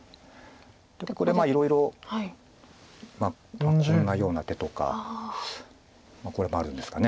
これいろいろこんなような手とかこれもあるんですかね。